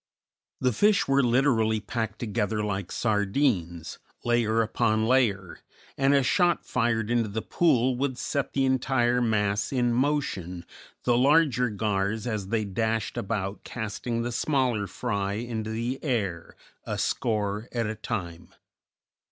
The fish were literally packed together like sardines, layer upon layer, and a shot fired into the pool would set the entire mass in motion, the larger gars as they dashed about casting the smaller fry into the air, a score at a time.